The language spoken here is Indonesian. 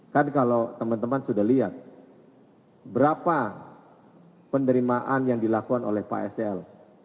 kan kalau teman teman sudah lihat berapa penerimaan yang dilakukan oleh pak sel